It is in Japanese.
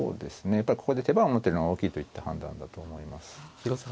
やっぱりここで手番を持ってるのが大きいといった判断だと思います。